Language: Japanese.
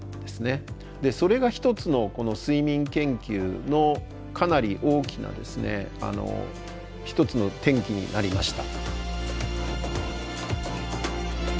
それが一つの睡眠研究のかなり大きなですね一つの転機になりました。